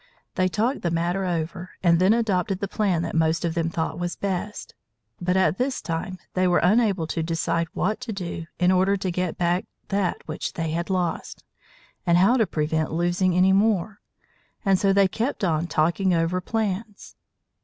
They talked the matter over and then adopted the plan that most of them thought was best. But at this time they were unable to decide what to do in order to get back that which they had lost, and how to prevent losing any more. And so they kept on talking over plans.